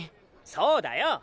そうだよっ。